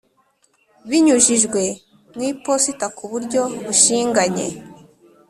Binyujijwe mu iposita ku buryo bushinganye